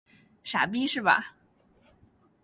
傻逼是吧？